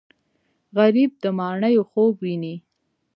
غریب د ماڼیو خوب ویني